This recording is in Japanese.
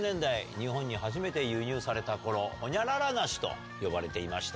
日本に初めて輸入された頃ホニャララ梨と呼ばれていました。